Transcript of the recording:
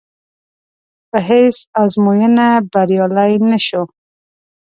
په هېڅ ازموینه بریالی نه شو.